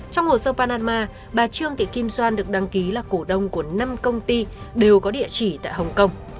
trong hồ sơ panama bà trương thị kim soan được đăng ký là cổ đông của năm công ty đều có địa chỉ tại hong kong